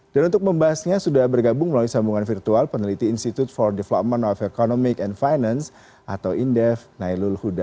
dan untuk membahasnya sudah bergabung melalui sambungan virtual peneliti institute for development of economic and finance atau indef nailul huda